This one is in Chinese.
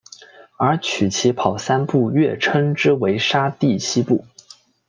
而取其跑三步跃称之为沙蒂希步。